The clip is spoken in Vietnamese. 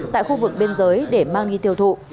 tại khu vực biên giới để mang đi tiêu thụ